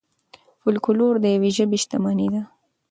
فولکلور د یوې ژبې شتمني ده.